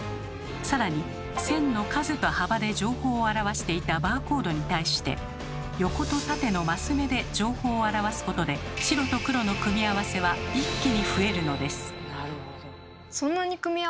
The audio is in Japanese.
さらに線の数と幅で情報を表していたバーコードに対して横と縦のマス目で情報を表すことで白と黒の組み合わせは一気に増えるのです。